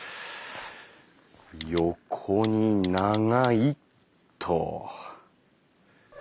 「横に長い！」っと。